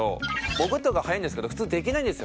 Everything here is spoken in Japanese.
潜った方が速いんですけど普通できないんですよ。